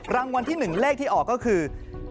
รางวัลที่๑เลขที่ออกก็คือ